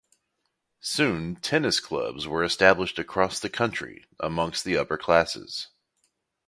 Soon tennis clubs were established across the country amongst the upper classes.